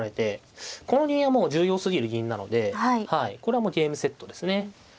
この銀はもう重要すぎる銀なのでこれはもうゲームセットですね。